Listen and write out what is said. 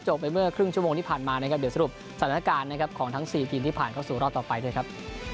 ไปเมื่อครึ่งชั่วโมงที่ผ่านมานะครับเดี๋ยวสรุปสถานการณ์นะครับของทั้ง๔ทีมที่ผ่านเข้าสู่รอบต่อไปด้วยครับ